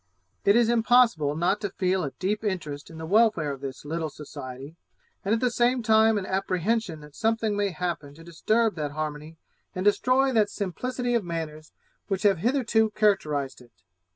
It is impossible not to feel a deep interest in the welfare of this little society, and at the same time an apprehension that something may happen to disturb that harmony and destroy that simplicity of manners which have hitherto characterized it.